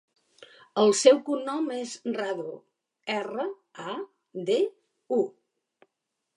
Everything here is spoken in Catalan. El seu cognom és Radu: erra, a, de, u.